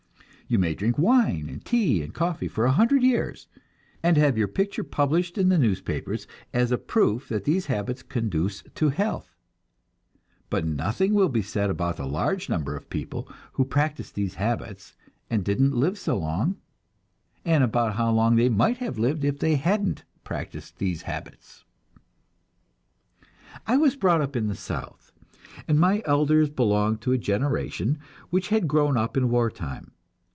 You may drink wine and tea and coffee for a hundred years, and have your picture published in the newspapers as a proof that these habits conduce to health; but nothing will be said about the large number of people who practiced these habits, and didn't live so long, and about how long they might have lived if they hadn't practiced these habits. I was brought up in the South, and my "elders" belonged to a generation which had grown up in war time.